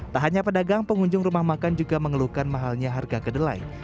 tak hanya pedagang pengunjung rumah makan juga mengeluhkan mahalnya harga kedelai